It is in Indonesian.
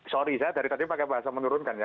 sorry saya dari tadi pakai bahasa menurunkan ya